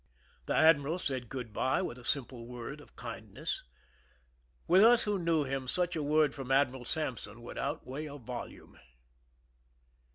/ The admiral said good by with a simple word of kindness. V7ith us who knew him, such a word from Admiral Sampson would outweigh a volume.